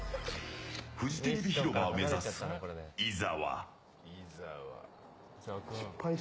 フジテレビ広場を目指す伊沢。